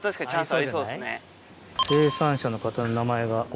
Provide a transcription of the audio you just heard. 生産者の方の名前がここに。